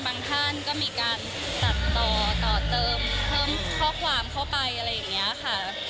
เออปลางก็บอกว่าคือก็มีตัวแทนบางท่านก็มีการตัดต่อต่อเติมเพิ่มข้อความเข้าไปอะไรอย่างเนี้ยค่ะ